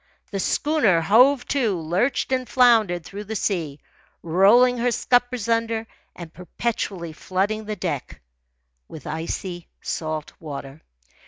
The schooner, hove to, lurched and floundered through the sea, rolling her scuppers under and perpetually flooding the deck with icy salt water.